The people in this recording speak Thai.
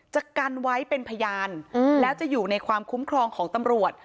จะกันไว้เป็นพยานแล้วจะอยู่ในความคุ้มครองของตำรวจ